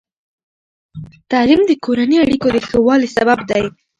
تعلیم د کورني اړیکو د ښه والي سبب دی.